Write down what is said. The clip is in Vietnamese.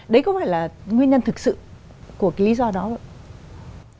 đấy có phải là nguyên nhân thực sự của lý do đó không ạ